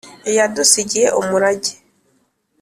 yadusigiye umurage.